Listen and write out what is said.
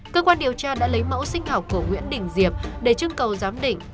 cơ quan điều tra đã lấy mẫu sinh học của nguyễn đình diệp để chương cầu giám định